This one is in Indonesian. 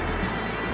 jangan makan aku